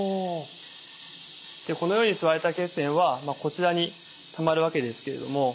このように吸われた血栓はこちらにたまるわけですけれども。